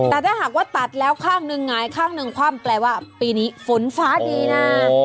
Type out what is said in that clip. แต่ถ้าหากว่าตัดแล้วข้างหนึ่งหงายข้างหนึ่งคว่ำแปลว่าปีนี้ฝนฟ้าดีนะ